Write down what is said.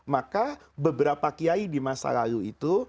maka beberapa kiai di masa lalu itu